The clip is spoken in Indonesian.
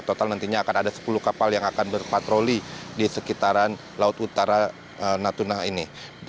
total nantinya akan ada sepuluh kapal yang akan berpatroli di sekitaran laut utara natuna ini